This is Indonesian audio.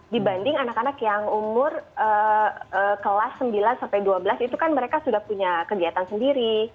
dibanding anak anak yang umur kelas sembilan sampai dua belas itu kan mereka sudah punya kegiatan sendiri